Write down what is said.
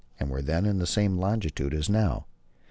and were then in the same longitude as now.